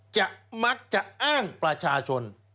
จะมักจะอ้างประชาชน